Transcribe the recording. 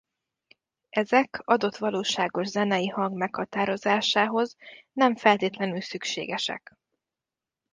Ezek adott valóságos zenei hang meghatározásához nem feltétlenül szükségesek.